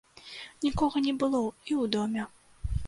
Нікога не было і ў доме.